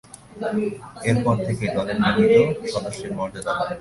এরপর থেকেই দলের নিয়মিত সদস্যের মর্যাদা পান।